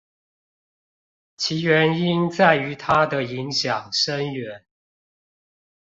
其原因在於它的影響深遠